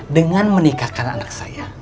dengan menikahkan anak saya